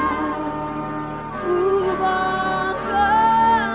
engkau ku banggakan